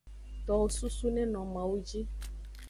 Towo susu neno mawu ji.